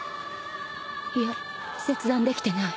いや切断できてない。